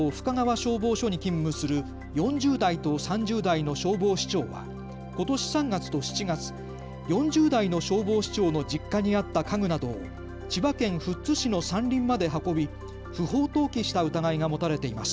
消防署に勤務する４０代と３０代の消防士長はことし３月と７月、４０代の消防士長の実家にあった家具などを千葉県富津市の山林まで運び不法投棄した疑いが持たれています。